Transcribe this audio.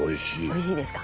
おいしいですか。